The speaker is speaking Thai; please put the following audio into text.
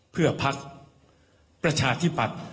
เพื่อพักประชาธิปัตย์